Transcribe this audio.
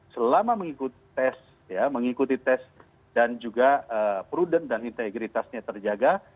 selama mengikuti tes dan juga prudent dan integritasnya terjaga